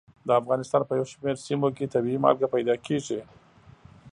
د افغانستان په یو شمېر سیمو کې طبیعي مالګه پیدا کېږي.